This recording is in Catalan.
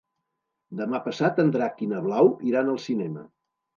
Demà passat en Drac i na Blau iran al cinema.